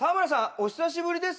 お久しぶりです